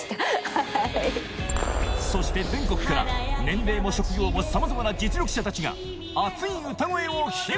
そして全国から年齢も職業もさまざまな実力者たちが熱い歌声を披露